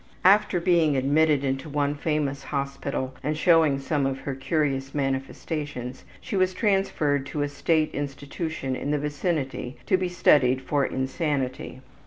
After being admitted into one famous hospital and showing some of her curious manifestations she was transferred to a state institution in the vicinity to be studied for insanity.